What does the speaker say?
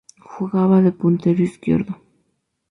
Jugaba de puntero izquierdo.